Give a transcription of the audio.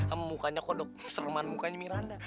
kamu mukanya kodok sereman mukanya miranda